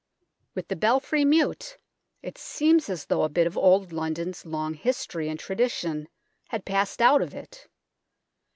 With the belfry mute, it seems as though a bit of Old London's long history and tradition had passed out of it.